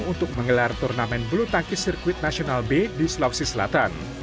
untuk mengelar turnamen bulu tangkis circuit national bay di sulawesi selatan